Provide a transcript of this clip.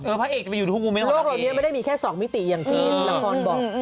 เออพระเอกจะไปอยู่ทุกมูมเม้นต์ของพระเอกโลกเหล่านี้ไม่ได้มีแค่๒มิติอย่างที่ละครบอก